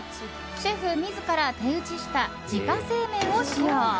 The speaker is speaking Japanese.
シェフ自ら手打ちした自家製麺を使用。